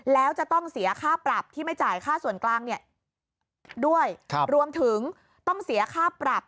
แล้วจะต้องเสียค่าปรับที่ไม่จ่ายค่าส่วนกลางเนี่ยด้วยรวมถึงต้องเสียค่าปรับ